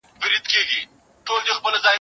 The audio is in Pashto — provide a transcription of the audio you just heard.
راټول سوی وه مېږیان تر چتر لاندي